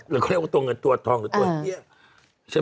หรือเขาเรียกว่าตัวเงินตัวทองหรือตัวเฮียใช่ไหม